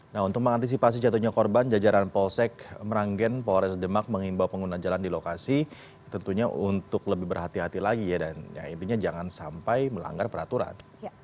nah untuk mengantisipasi jatuhnya korban jajaran polsek meranggen polres demak mengimbau pengguna jalan di lokasi tentunya untuk lebih berhati hati lagi ya dan intinya jangan sampai melanggar peraturan